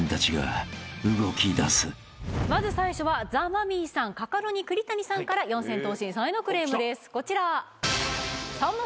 まず最初はザ・マミィさんカカロニ栗谷さんから四千頭身さんへのクレームですこちら。